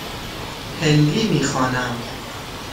هندی می خوانم.